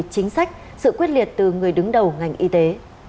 chính sách sự quyết liệt từ người đứng đầu ngành y tế